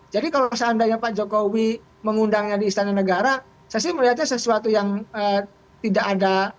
jadi kalau seandainya pak jokowi mengundangnya di istana negara saya sih melihatnya sesuatu yang tidak ada